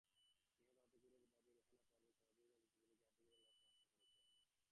নিহত আতিকুরের ভাবি রেহানা পারভিন সাংবাদিকদের কাছে ছবি দেখে আতিকুরের লাশ শনাক্ত করেছেন।